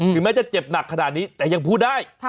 แม้จะเจ็บหนักขนาดนี้แต่ยังพูดได้